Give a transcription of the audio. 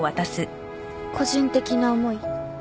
個人的な思い？